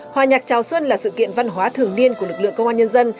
hòa nhạc chào xuân là sự kiện văn hóa thường niên của lực lượng công an nhân dân